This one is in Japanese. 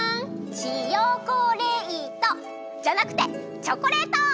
チヨコレイト！じゃなくてチョコレート！